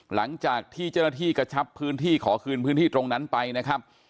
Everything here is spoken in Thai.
หลังจากที่เจ้าหน้าที่กระชับพื้นที่ขอคืนพื้นที่ตรงนั้นไปนะครับ